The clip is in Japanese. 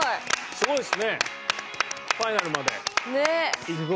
すごいっすねファイナルまで行って。